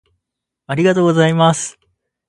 ありがとうございます。